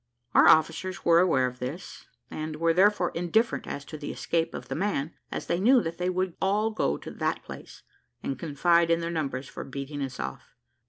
Our officers were aware of this, and were therefore indifferent as to the escape of the men, as they knew that they would all go to that place, and confide in their numbers for beating us off.